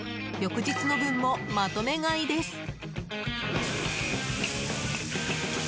翌日の分もまとめ買いです。